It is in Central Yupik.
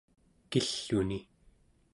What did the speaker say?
kill'uni